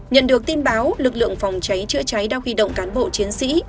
nhận được tin báo lực lượng phòng cháy chữa cháy đã huy động cán bộ chiến sĩ